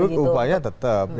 menurut saya upaya tetap